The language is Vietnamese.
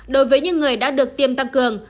đối với những người đã được tiêm tăng cường